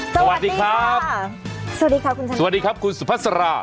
สวัสดีครับสวัสดีครับคุณสัมภาษณ์สวัสดีครับคุณสุภาษณ์สละ